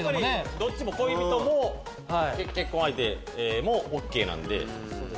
どっちも恋人も結婚相手もＯＫなんで。